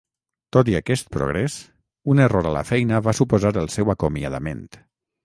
Tot i aquest progrés, un error a la feina va suposar el seu acomiadament.